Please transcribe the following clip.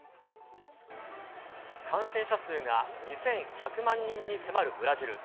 感染者数が２１００万人に迫るブラジル。